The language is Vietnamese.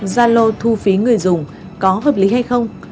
gia lô thu phí người dùng có hợp lý hay không